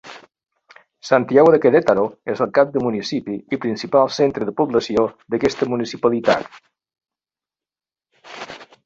Santiago de Querétaro és el cap de municipi i principal centre de població d'aquesta municipalitat.